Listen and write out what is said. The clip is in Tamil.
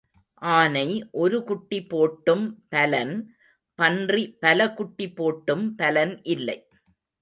ஆனை ஒரு குட்டி போட்டும் பலன் பன்றி பல குட்டி போட்டும் பலன் இல்லை.